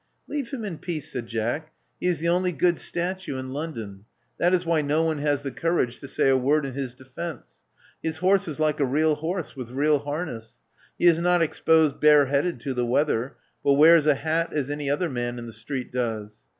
Leave him in peace," said Jack. He is the only 266 Love Among the Artists good statue in London: that is why no one has the courage to say a word in his defence. His horse is like a real horse, with real harness. He is not exposed bareheaded to the weather, but wears a hat as any other man in the street does.